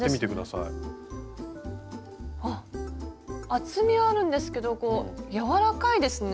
あっ厚みはあるんですけどこう柔らかいですね！